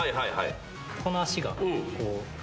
この足がこう。